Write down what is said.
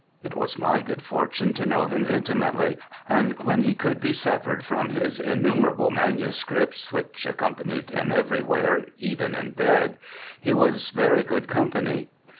It was my good fortune to know him intimately, and when he could be severed from his innumerable manuscripts, which accompanied him everywhere, even in bed, he was very good company.